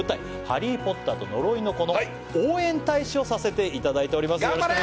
「ハリー・ポッターと呪いの子」の応援大使をさせていただいております